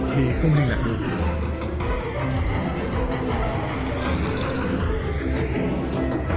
thì không liên lạc được